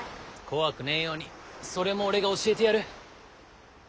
怖くねえようにそれも俺が教えてやる。